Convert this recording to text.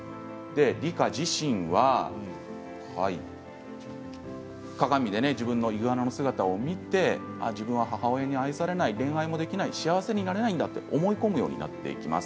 リカ自身は鏡で自分のイグアナの姿を見て自分は母親に愛されない恋愛もできない幸せになれないんだと思い込むようになってきます。